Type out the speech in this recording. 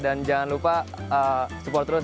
dan jangan lupa support terus